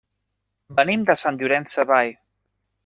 Venim de Sant Llorenç Savall.